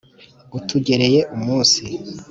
utugereye umunsi